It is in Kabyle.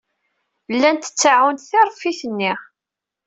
Llant ttaɛunt tiṛeffit-nni.